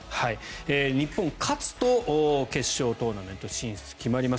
日本は勝つと決勝トーナメント進出が決まります。